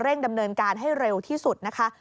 ดำเนินการให้เร็วที่สุดนะคะ